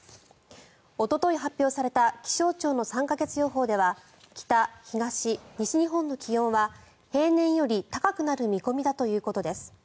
おととい発表された気象庁の３か月予報では北、東、西日本の気温は平年より高くなる見込みだということです。